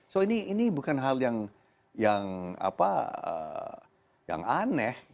jadi ini bukan hal yang aneh